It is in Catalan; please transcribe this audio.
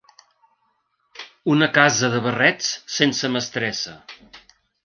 Una casa de barrets sense mestressa.